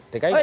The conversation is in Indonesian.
dki gak kalah